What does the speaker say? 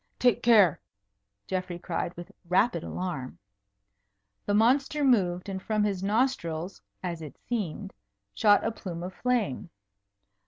"Take care!" Geoffrey cried, with rapid alarm. The monster moved, and from his nostrils (as it seemed) shot a plume of flame.